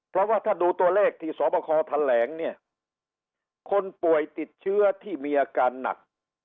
เพราะว่าถ้าดูตัวเลขที่สวบคอแถลงเนี่ยคนป่วยติดเชื้อที่มีอาการหนัก